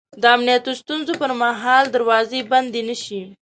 د امنیتي ستونزو پر مهال دروازې بندې نه شي